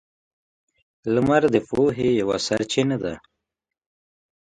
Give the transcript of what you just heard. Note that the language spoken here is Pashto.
• لمر د پوهې یوه سرچینه ده.